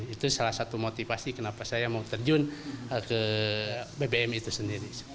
itu salah satu motivasi kenapa saya mau terjun ke bbm itu sendiri